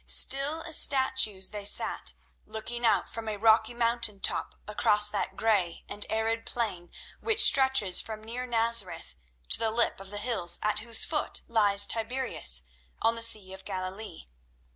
Still as statues they sat, looking out from a rocky mountain top across that grey and arid plain which stretches from near Nazareth to the lip of the hills at whose foot lies Tiberias on the Sea of Galilee.